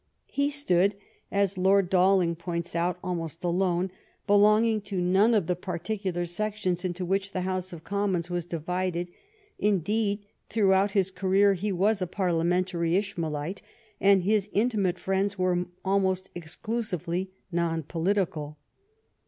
He stood, as Lord 2 ♦ 20 LIFE OF VISCOUNT PALMEB8T0N. Dalling points oot, almost alone, belonging to none of the particular sections into which the House of Commons was divided ; indeed, throughout his career he was a parliamentary Ishmaelite, and his intimate friends were almost exclusiTcly non political.